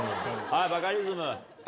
バカリズム。